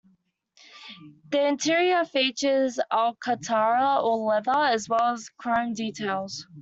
The interior features Alcantara or leather, as well as chrome details.